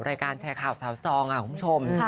รายการแชร์ข่าวเสาสองของผู้ชม